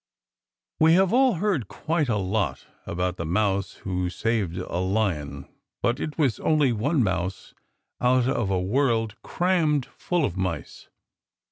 We have all heard quite a lot about the mouse who saved a lion. But it was only one mouse out of a world crammed full of mice.